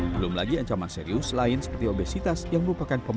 belum lagi ancaman serius lain seperti obesitas yang merupakan penyakit